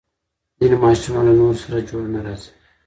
ځینې ماشومان له نورو سره جوړ نه راځي.